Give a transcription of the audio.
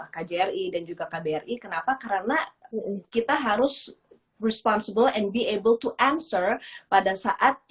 kjri dan juga kbri kenapa karena kita harus responsible and be able to answer pada saatnya